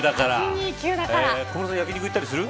小室さん焼き肉行ったりする。